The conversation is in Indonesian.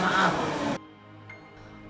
banyak yang dari keluarga tidak ada maaf